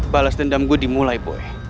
balas dendam gue dimulai boleh